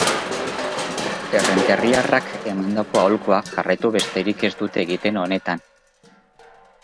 Errenteriarrak emandako aholkua jarraitu besterik ez dut egiten honetan.